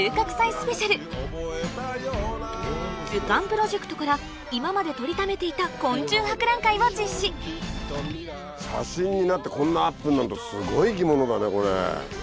スペシャル図鑑プロジェクトから今まで撮りためていた昆虫博覧会を実施写真になってこんなアップになるとすごい生き物だねこれ。